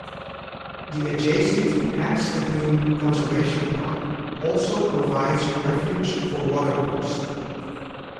The adjacent Hacks Lagoon Conservation Park also provides refuge for waterbirds.